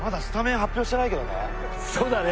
そうだね。